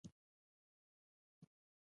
چاپېریال د ژوند کور دی.